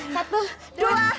satu dua tiga